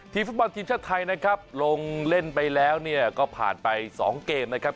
ฟุตบอลทีมชาติไทยนะครับลงเล่นไปแล้วเนี่ยก็ผ่านไป๒เกมนะครับ